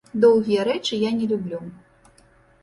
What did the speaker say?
Доўгія рэчы я не люблю.